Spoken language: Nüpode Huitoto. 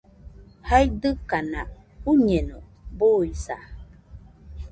jaidɨkaka uiñeno, buisa